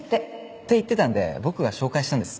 って言ってたんで僕が紹介したんです。